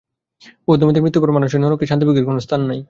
বৌদ্ধমতে মৃত্যুর পর মানুষের নরকে শাস্তিভোগের কোন স্থান নাই।